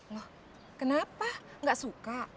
loh kenapa gak suka